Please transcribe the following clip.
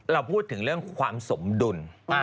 เราพูดถึงเรื่องความสมดุล